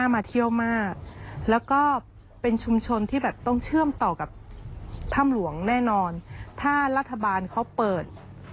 มาเที่ยวมากแล้วก็เป็นชุมชนที่แบบต้องเชื่อมต่อกับถ้ำหลวงแน่นอนถ้ารัฐบาลเขาเปิด